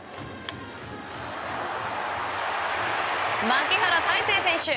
牧原大成選手。